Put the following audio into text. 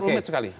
itu rumit sekali